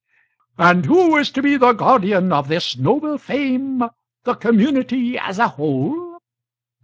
] "And who is to be the guardian of this noble fame the community as a whole?